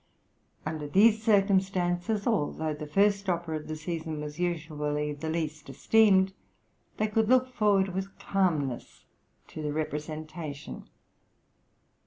Under these circumstances (although the first opera of the season was usually {THE ITALIAN TOUR.} (132) the least esteemed) they could look forward with calmness to the representation.